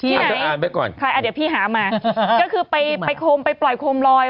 อาจจะอ่านไปก่อนใครอ่ะเดี๋ยวพี่หามาก็คือไปไปโคมไปปล่อยโคมลอย